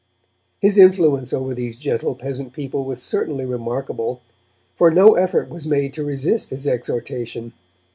His influence over these gentle peasant people was certainly remarkable, for no effort was made to resist his exhortation.